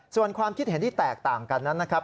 ส่วนความคิดเห็นที่แตกต่างกันนั้นนะครับ